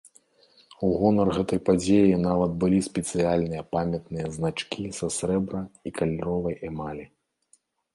У гонар гэтай падзеі нават былі спецыяльныя памятныя значкі са срэбра і каляровай эмалі.